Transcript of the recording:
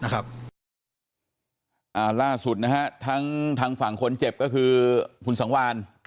ล่าสุดนะฮะทั้งทางฝั่งคนเจ็บก็คือคุณสังวาน